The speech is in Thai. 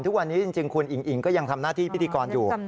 ทุกวันนี้จริงคุณอิงอิงก็ยังทำหน้าที่พิธีกรอยู่